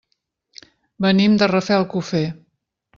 Venim de Rafelcofer.